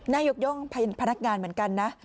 ยกย่องพนักงานเหมือนกันนะ